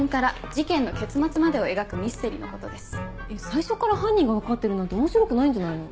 最初から犯人が分かってるなんて面白くないんじゃないの？